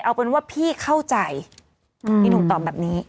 เอาเป็นว่าพี่เข้าใจพี่หนุ่มตอบแบบนี้